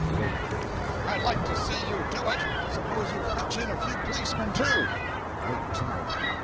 Wolf. 'I'd like to see you do it! Suppose you fetch in a few policemen too! (Great tumult.)